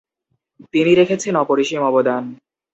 তিনি রেখেছেন অপরিসীম অবদান।